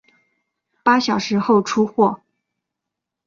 八小时后出货